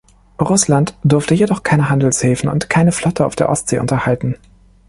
Russland durfte jedoch keine Handelshäfen und keine Flotte auf der Ostsee unterhalten.